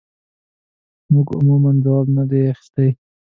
موږ عموماً ځواب نه دی اخیستی.